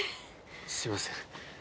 すいません。